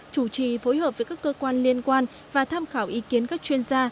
chủ trì phối hợp với các cơ quan liên quan và tham khảo ý kiến các chuyên gia